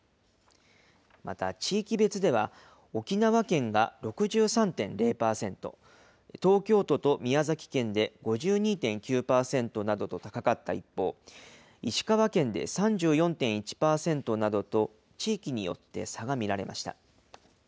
また地域別では、沖縄県が６３．０％、東京都と宮崎県で５２．９％などと高かった一方、石川県で３４．１％などと地域によって差が見られました。